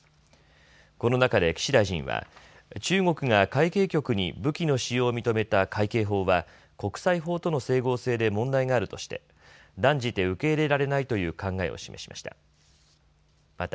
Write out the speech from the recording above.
この中で岸大臣は中国が海警局に武器の使用を認めた海警法は国際法との整合性で問題があるとして断じて受け入れられないという考えを示しました。